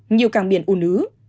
nhiều càng biển u nứ